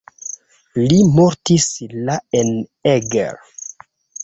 Li mortis la en Eger.